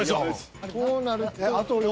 こうなると。